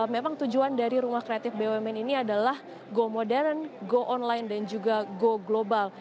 memang tujuan dari rumah kreatif bumn ini adalah go modern go online dan juga go global